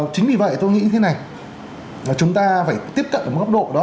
chính vì vậy tôi nghĩ thế này chúng ta phải tiếp cận ở một góc độ đó